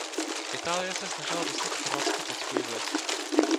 Itálie se snažila dostat Chorvatsko pod svůj vliv.